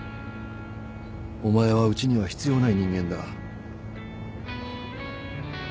お前はうちには必要ない人間だ